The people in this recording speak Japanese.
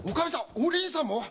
お凛さんも。